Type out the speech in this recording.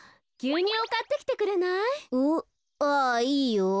うあいいよ。